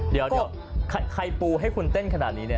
เดี๋ยวใครปูให้คุณเต้นขนาดนี้เนี่ย